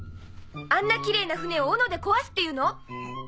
あんなきれいな艇を斧で壊すっていうの？